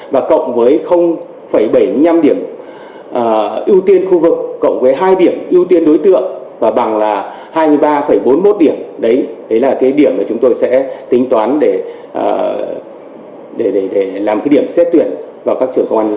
và cộng với bảy mươi năm điểm ưu tiên khu vực cộng với hai điểm ưu tiên đối tượng và bằng hai mươi ba bốn mươi một điểm đấy là điểm chúng tôi sẽ tính toán để làm điểm xét tuyển vào các trường công an dân dân